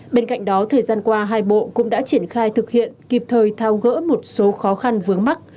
bên cạnh đó thời gian qua hai bộ cũng đã triển khai thực hiện kịp thời thao gỡ một số khó khăn vướng mắt